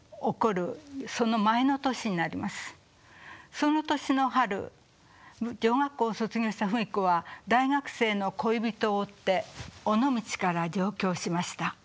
その年の春女学校を卒業した芙美子は大学生の恋人を追って尾道から上京しました。